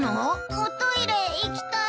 おトイレ行きたい。